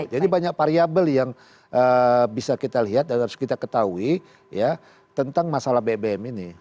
jadi banyak variabel yang bisa kita lihat dan harus kita ketahui ya tentang masalah bbm ini